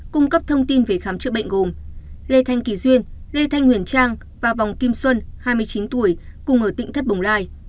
cung cấp thông tin về khám chữa bệnh gồm lê thanh kỳ duyên lê thanh huyền trang và vòng kim xuân hai mươi chín tuổi cùng ở tỉnh thất bồng lai